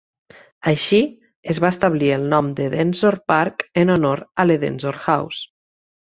Així, es va establir el nom d'Edensor Park en honor a l'Edensor House.